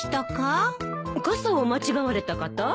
傘を間違われた方？